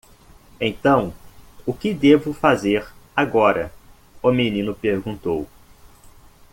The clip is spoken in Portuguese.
"Então, o que devo fazer agora?" o menino perguntou.